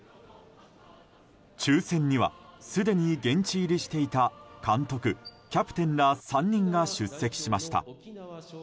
抽選にはすでに現地入りしていた監督、キャプテンら３人が出席しました。